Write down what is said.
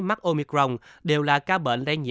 mắc omicron đều là ca bệnh